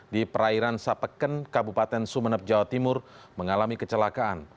di perairan sapeken kabupaten sumeneb jawa timur mengalami kecelakaan